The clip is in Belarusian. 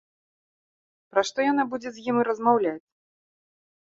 Пра што яна будзе з ім размаўляць?